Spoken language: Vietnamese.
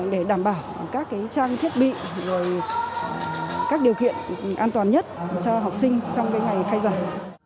để đảm bảo các trang thiết bị các điều kiện an toàn nhất cho học sinh trong ngày khai giảng